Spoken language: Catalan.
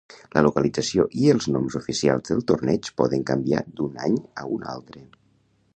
La localització i els noms oficials del torneig poden canviar d'un any a un altre.